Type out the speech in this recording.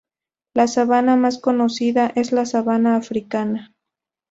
La sabana más conocida es la sabana africana.